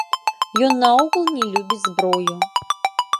Ён наогул не любіць зброю.